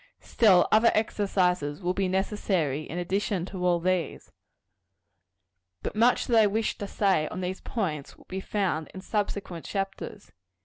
Still, other exercises will be necessary, in addition to all these. But much that I wish to say on these points will be found in subsequent chapters.